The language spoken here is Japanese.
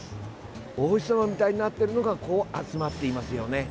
お星様みたいになっているのがこう集まっていますよね。